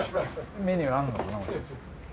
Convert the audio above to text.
メニューあるのかな。